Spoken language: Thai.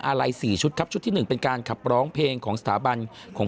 อะไร๔ชุดครับชุดที่๑เป็นการขับร้องเพลงของสถาบันของ